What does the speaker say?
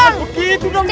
jangan begitu dong bu